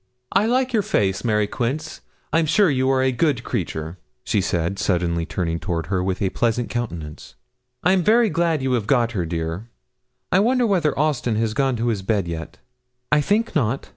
'I like your face, Mary Quince; I'm sure you are a good creature,' she said, suddenly turning toward her with a pleasant countenance. 'I'm very glad you have got her, dear. I wonder whether Austin has gone to his bed yet!' 'I think not.